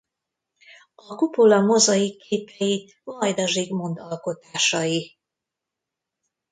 A kupola mozaikképei Vajda Zsigmond alkotásai.